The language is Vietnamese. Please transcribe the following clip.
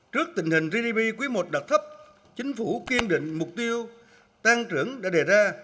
trước tình hình gdp quý i đạt thấp chính phủ kiên định mục tiêu tăng trưởng đã đề ra